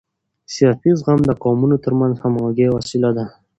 سیاسي زغم د قومونو ترمنځ د همغږۍ وسیله ده